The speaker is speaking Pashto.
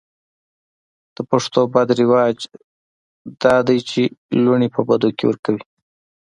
د پښتو بد رواج دا ده چې لوڼې په بدو کې ور کوي.